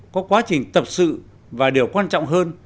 có quá trình tập sự và điều quan trọng hơn